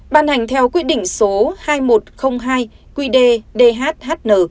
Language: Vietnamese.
ban hành theo quy định số hai nghìn một trăm linh hai qd dhhn